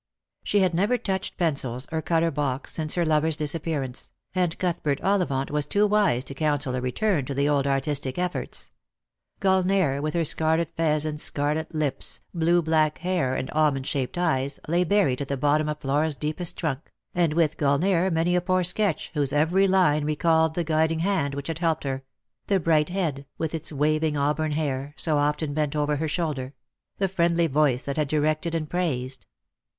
She had never touched pencils or colour box since her lover's disappearance, and Cuthbert Ollivant was too wise to counsel a return to the old artistic efforts. Gulnare, with her scarlet fez and scarlet lips, blue black hair and almond shaped eyes, lay buried at the bottom of Flora's deepest trunk, and with Gulnare many a poor sketch whose every line recalled the guiding hand which had helped her ; the bright head, with its waving auburn hair, so often bent over her shoulder ; the friendly voice that had directed and praised.